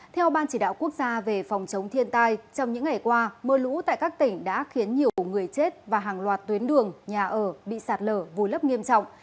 theo ban chỉ đạo quốc gia về phòng chống thiên tai trong những ngày qua mưa lũ tại các tỉnh đã khiến nhiều người chết và hàng loạt tuyến đường nhà ở bị sạt lở vùi lấp nghiêm trọng